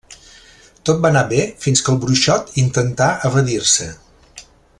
Tot va anar bé fins que el bruixot intentà evadir-se.